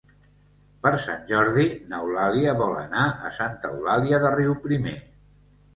Per Sant Jordi n'Eulàlia vol anar a Santa Eulàlia de Riuprimer.